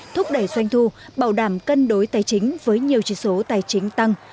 thúc đẩy doanh thu bảo đảm cân đối tài chính với nhiều chỉ số tài chính tăng